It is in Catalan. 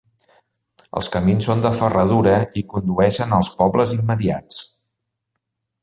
Els camins són de ferradura i condueixen als pobles immediats.